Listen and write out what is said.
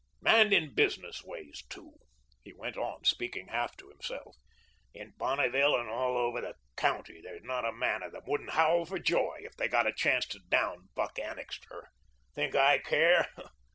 And in business ways, too," he went on, speaking half to himself, "in Bonneville and all over the county there's not a man of them wouldn't howl for joy if they got a chance to down Buck Annixter. Think I care?